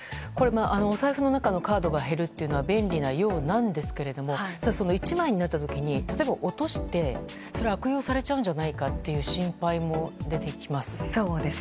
お財布の中のカードが減るということは便利なようなんですけども１枚になった時に例えば落としてそれを悪用されちゃうんじゃないかという心配も出てきます。